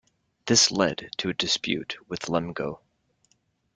This led to a dispute with Lemgo.